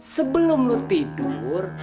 sebelum lu tidur